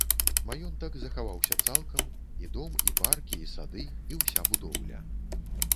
Маёнтак захаваўся цалкам, і дом, і паркі, і сады, і ўся будоўля.